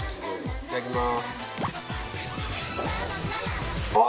いただきます。